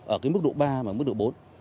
ở mức độ ba và mức độ bốn